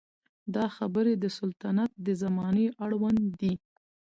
دا خبرې د سلطنت د زمانې اړوند دي.